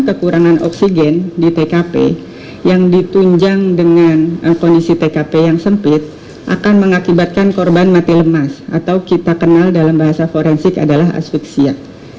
kekurangan oksigen di tkp yang ditunjang dengan kondisi tkp yang sempit akan mengakibatkan korban mati lemas atau kita kenal dalam bahasa forensik adalah asfiksia